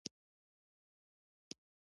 د میرمنو کار د کورنۍ خوارۍ کمولو سبب دی.